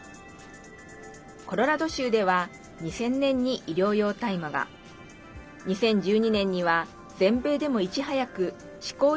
コロラド州では２０００年に医療用大麻が２０１２年には全米でもいち早くしこう